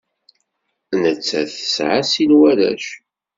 Nettat tesɛa sin n warrac.